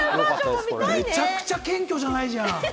めちゃくちゃ謙虚じゃないじゃん！